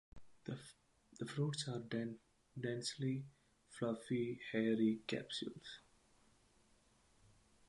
The fruits are densely fluffy hairy capsules.